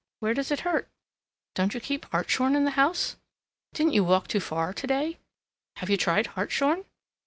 Where does it hurt? Don't you keep hartshorn in the house? Didn't you walk too far today? Have you tried hartshorn?